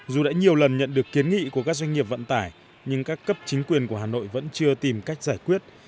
dù đã nhiều lần nhận được kiến nghị của các doanh nghiệp vận tải nhưng các cấp chính quyền của hà nội vẫn chưa tìm cách giải quyết